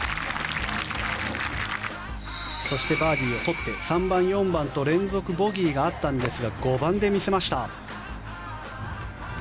そしてバーディーを取って３番、４番と連続ボギーがあったんですが５番で見せました。